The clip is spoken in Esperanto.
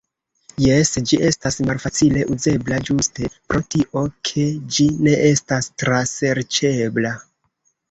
Jes, ĝi estas malfacile uzebla ĝuste pro tio ke ĝi ne estas traserĉebla.